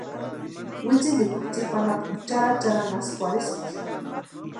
Wintsintikwa tsipa anapu charhacharhanhaskwarhisti.